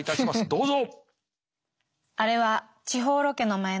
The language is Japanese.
どうぞ！